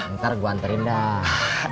ntar gua anterin dah